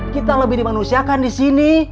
kita lebih dimanusiakan disini